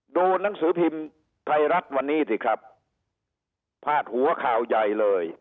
ดูหนังสือพิมพ์ไทยรัฐวันนี้สิครับพาดหัวข่าวใหญ่เลย